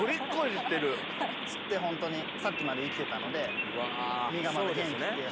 釣ってホントにさっきまで生きてたので身がまだ元気っていう。